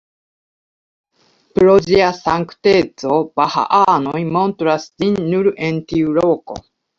Pro ĝia sankteco bahaanoj montras ĝin nur en tiu loko.